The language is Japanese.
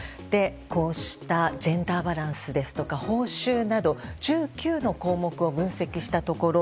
こうしたジェンダーバランスですとか報酬など１９の項目を分析したところ